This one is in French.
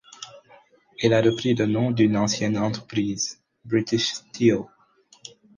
Elle a repris le nom d'une ancienne entreprise, British Steel.